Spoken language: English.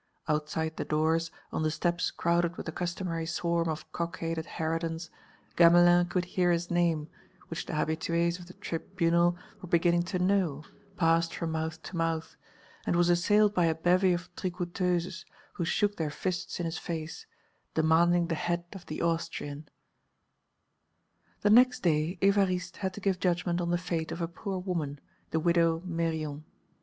Outside the doors, on the steps crowded with the customary swarm of cockaded harridans, Gamelin could hear his name, which the habitués of the Tribunal were beginning to know, passed from mouth to mouth, and was assailed by a bevy of tricoteuses who shook their fists in his face, demanding the head of the Austrian. The next day Évariste had to give judgment on the fate of a poor woman, the widow Meyrion.